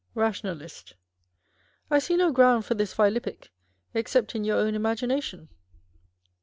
nationalist. I see no ground for this philippic, except in your own imagination.